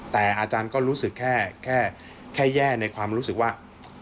แต่อาจารย์ก็รู้สึกแค่แย่ในความรู้สึกว่า